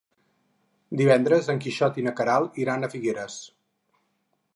Divendres en Quixot i na Queralt iran a Figueres.